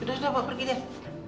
udah udah bawa pergi deh